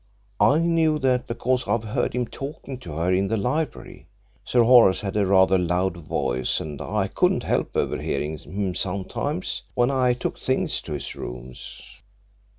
I knew that because I've heard him talking to her in the library. Sir Horace had rather a loud voice, and I couldn't help overhearing him sometimes, when I took things to his rooms.